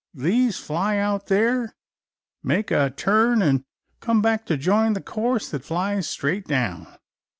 These fly out there, make a turn, and come back to join the course that flies straight down.